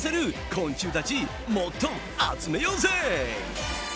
昆虫たちもっと集めようぜ！